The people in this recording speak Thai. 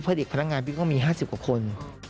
เพื่อเด็กพนักงานพี่ก็มี๕๐กว่าคน